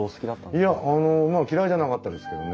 いやまあ嫌いじゃなかったですけどね。